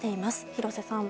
廣瀬さん。